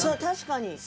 確かに。